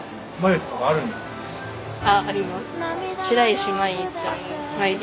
白石麻衣ちゃんの眉毛。